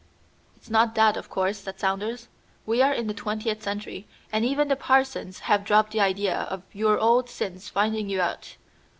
"It's not that, of course," said Saunders. "We are in the twentieth century, and even the parsons have dropped the idea of your old sins finding you out.